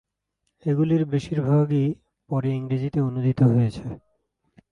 এগুলির বেশীর ভাগই পরে ইংরেজিতে অনুদিত হয়েছে।